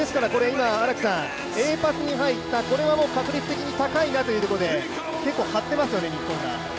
今、Ａパスに入ったこれは確率的に高いなというところで結構張っていますよね日本が。